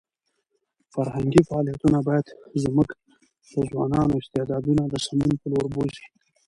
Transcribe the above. فرهنګي فعالیتونه باید زموږ د ځوانانو استعدادونه د سمون په لور بوځي.